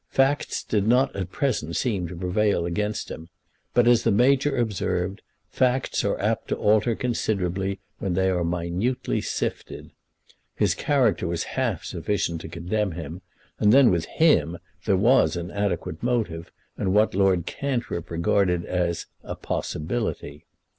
Facts did not at present seem to prevail against him; but, as the Major observed, facts are apt to alter considerably when they are minutely sifted. His character was half sufficient to condemn him; and then with him there was an adequate motive, and what Lord Cantrip regarded as "a possibility."